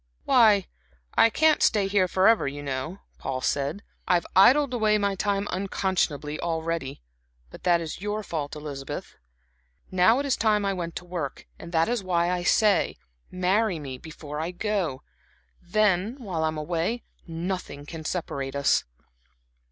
"Why, I can't stay here forever, you know," Paul said. "I've idled away my time unconscionably already but that is your fault, Elizabeth. Now it is time I went to work. And that is why I say marry me before I go. Then, while I am away, nothing can separate us."